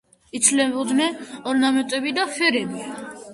იცვლებოდნენ ორნამენტები და ფერები.